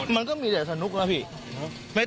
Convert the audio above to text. มันก็มีแต่สนุกแล้วพี่